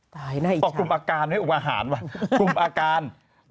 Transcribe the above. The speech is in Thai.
ตายนะอี๋ชัน